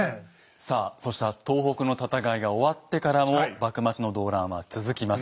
さあそうした東北の戦いが終わってからも幕末の動乱は続きます。